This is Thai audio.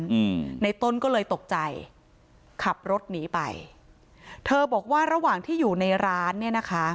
อืมในต้นก็เลยตกใจขับรถหนีไปเธอบอกว่าระหว่างที่อยู่ในร้านเนี้ยนะคะ